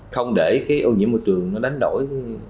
không để ô nhiễm hồi trường đánh đổi